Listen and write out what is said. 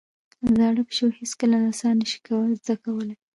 زاړه پيشو هېڅکله نڅا نه شي زده کولای.